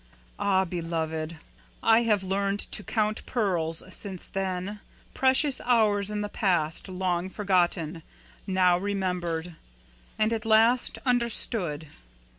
Ah, beloved, I have learned to count pearls since then, precious hours in the past, long forgotten, now remembered, and at last understood.